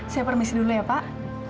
saya permisi dulu ya pak